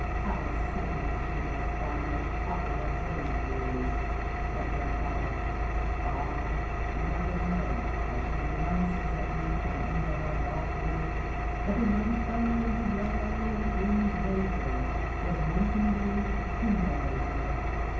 How sickening she must find the twaddle of those boys!" said grandpapa. "Ah, she doesn't know, as she glances at me from under her dark lids, that the young fellow in the yellow and green 'blazer' was once engaged to marry her.